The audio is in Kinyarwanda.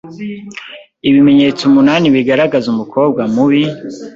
Ibimenyetso umunani bigaragaza umukobwa mubi